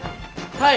はい。